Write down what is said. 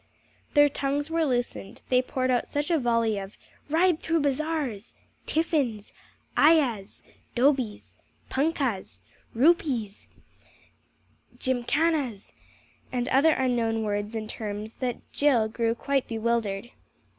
Their tongues were loosened, they poured out such a volley of "ride through bazaars," "tiffins," "ayahs," "dobies," "punkahs," "rupees," "gymkanas," and other unknown words and terms that Jill grew quite bewildered.